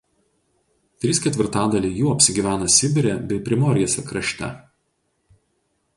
Trys ketvirtadaliai jų apsigyvena Sibire bei Primorjės krašte.